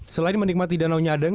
selain menikmati danau nyadeng